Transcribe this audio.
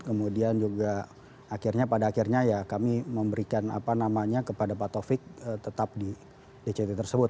kemudian juga pada akhirnya kami memberikan kepada pak taufik tetap di dct tersebut